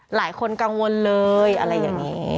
หลายคนกังวลเลยอะไรอย่างนี้